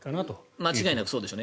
間違いなくそうでしょうね。